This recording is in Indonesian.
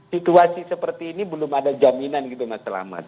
situasi seperti ini belum ada jaminan gitu mas selamat